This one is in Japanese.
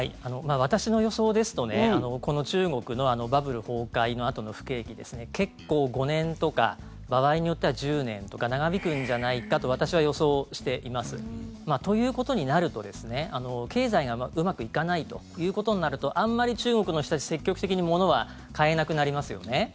私の予想ですとこの中国のバブル崩壊のあとの不景気ですね結構、５年とか場合によっては１０年とか長引くんじゃないかと私は予想しています。ということになると経済がうまくいかないということになるとあんまり中国の人たち積極的に物が買えなくなりますよね。